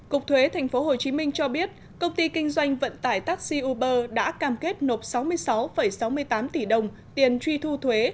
cục thuế tp hcm cho biết công ty kinh doanh vận tải taxi uber đã cam kết nộp sáu mươi sáu sáu mươi tám tỷ đồng tiền truy thu thuế